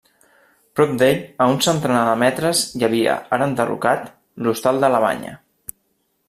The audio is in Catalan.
Prop d'ell, a un centenar de metres hi havia, ara enderrocat, l'Hostal de la Banya.